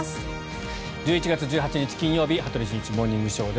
１１月１８日、金曜日「羽鳥慎一モーニングショー」。